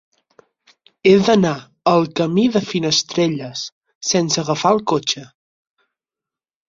He d'anar al camí de Finestrelles sense agafar el cotxe.